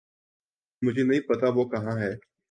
مجھے نہیں پتا وہ کہاں ہے